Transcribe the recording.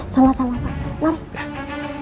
sama sama pak mari